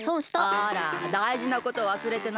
あらだいじなことわすれてない？